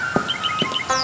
taro mencoba memakan pangsitnya